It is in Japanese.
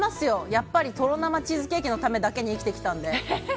やっぱりとろ生チーズケーキのためだけに生きてきたんで。